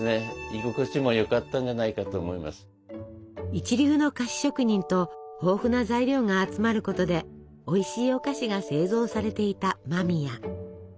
一流の菓子職人と豊富な材料が集まることでおいしいお菓子が製造されていた間宮。